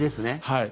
はい。